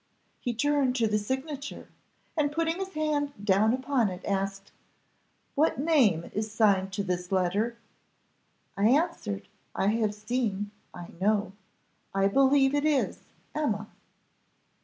He turned to the signature, and, putting his hand down upon it, asked, 'What name is signed to this letter?' I answered, I have seen I know I believe it is 'Emma.